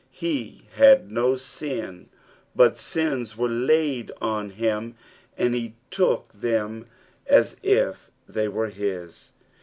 '' He had no sin, but sins were laid on him, and he took them as if they were his.